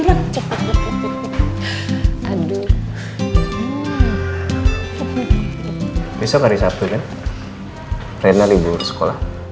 yaudah sana kalian buka